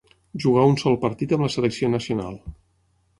Jugà un sol partit amb la selecció nacional.